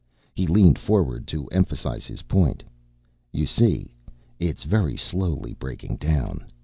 He leaned forward to emphasize his point. "You see, it's very slowly breaking down.